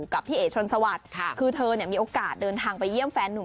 กับพี่เอ๋ชนสวัสดิ์คือเธอเนี่ยมีโอกาสเดินทางไปเยี่ยมแฟนหนุ่ม